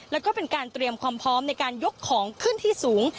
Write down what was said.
แล้วก็เป็นการเตรียมความพร้อมในการยกของขึ้นที่สูง